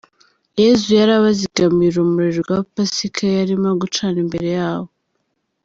Yezu yari abazigamiye urumuri rwa Pasika yarimo gucana imbere yabo.